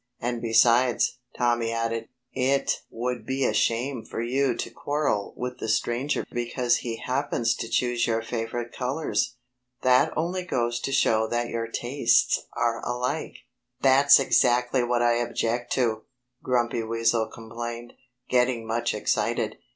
"And besides," Tommy added, "it would be a shame for you to quarrel with the stranger because he happens to choose your favorite colors. That only goes to show that your tastes are alike." "That's exactly what I object to!" Grumpy Weasel complained, getting much excited.